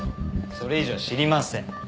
それ以上は知りません。